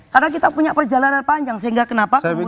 karena kita punya perjalanan panjang sehingga kenapa kemudian